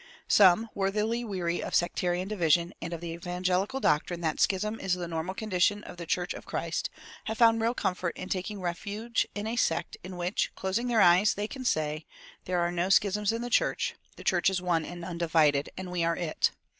Some, worthily weary of sectarian division and of the "evangelical" doctrine that schism is the normal condition of the church of Christ, have found real comfort in taking refuge in a sect in which, closing their eyes, they can say, "There are no schisms in the church; the church is one and undivided, and we are it."